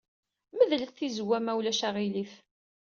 Medlet tizewwa, ma ulac aɣilif.